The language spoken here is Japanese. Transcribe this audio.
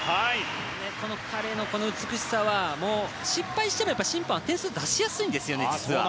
彼のこの美しさは、失敗しても点数を出しやすいんですよね実は。